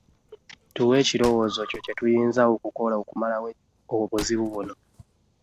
Tuwe ekirowoozo kyo ku kye tuyinza okukola okumalawo obuzibu buno.